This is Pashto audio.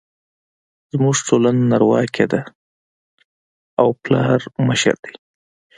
زموږ ټولنه نرواکې ده او پلار مشر دی